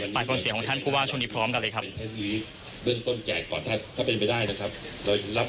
ปรากฏเสียของท่านคือว่าช่วงนี้พร้อมกันเลยครับ